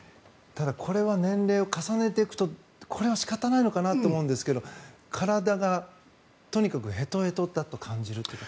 ただこれは年齢を重ねるとこれは仕方ないのかなと思うんですが体が、とにかくへとへとだと感じるという。